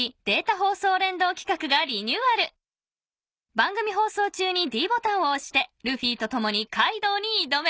［番組放送中にｄボタンを押してルフィと共にカイドウに挑め！］